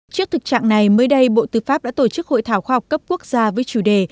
trước thực trạng này mới đây bộ tư pháp đã tổ chức hội thảo khoa học cấp quốc gia với chủ đề